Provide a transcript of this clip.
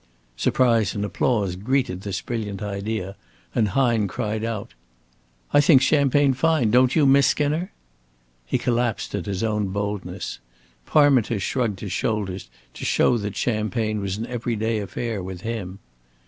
Surprise and applause greeted this brilliant idea, and Hine cried out: "I think champagne fine, don't you, Miss Skinner?" He collapsed at his own boldness. Parminter shrugged his shoulders to show that champagne was an every day affair with him.